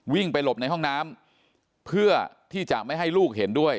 วิ่งไปหลบในห้องน้ำเพื่อที่จะไม่ให้ลูกเห็นด้วย